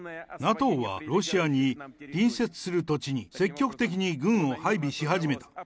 ＮＡＴＯはロシアに隣接する土地に積極的に軍を配備し始めた。